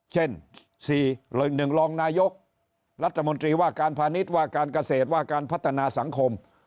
เช่น๔๑๑รองนายกรัฐมนตรีว่าการพาณิชย์ว่าการเกษตรว่าการพัฒนาสังคม